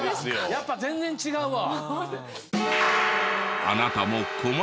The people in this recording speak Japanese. やっぱ全然違うわ。